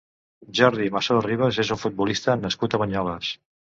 Jordi Masó Ribas és un futbolista nascut a Banyoles.